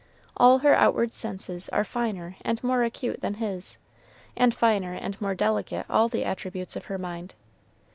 All her outward senses are finer and more acute than his, and finer and more delicate all the attributes of her mind.